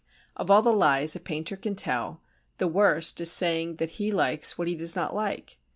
Of all the lies a painter can tell the worst is saying that he likes what he does not like.